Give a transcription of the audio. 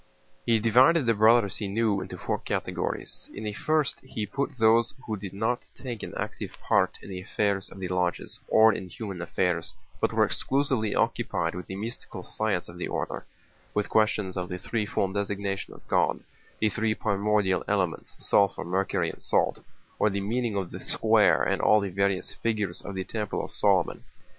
He divided the Brothers he knew into four categories. In the first he put those who did not take an active part in the affairs of the lodges or in human affairs, but were exclusively occupied with the mystical science of the order: with questions of the threefold designation of God, the three primordial elements—sulphur, mercury, and salt—or the meaning of the square and all the various figures of the temple of Solomon.